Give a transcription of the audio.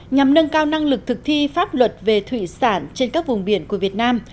nhằm nâng cao năng lực thực thi pháp luật về thủy sản trên các vùng biển của việt nam